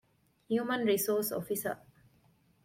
ހިއުމަންރިސޯސް އޮފިސަރ